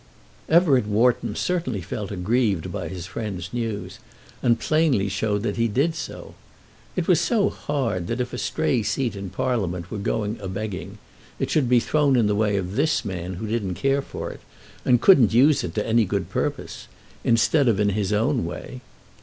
Everett Wharton certainly felt aggrieved by his friend's news, and plainly showed that he did so. It was so hard that if a stray seat in Parliament were going a begging, it should be thrown in the way of this man who didn't care for it, and couldn't use it to any good purpose, instead of in his own way!